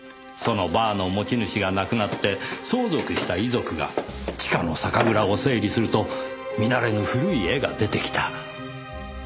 そのバーの持ち主が亡くなって相続した遺族が地下の酒蔵を整理すると見慣れぬ古い絵が出てきた。